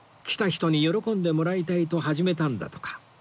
来た人に喜んでもらいたいと始めたんだとか